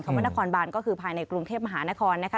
คำว่ะนคอนบานก็คือภายในกรุงเทพฯมหานคอนนะคะ